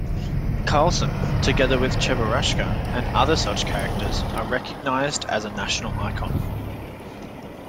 Karlsson, together with Cheburashka and other such characters, are recognized as a national icon.